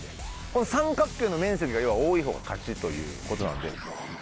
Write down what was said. この三角形の面積が要は多いほうが勝ちということなんで。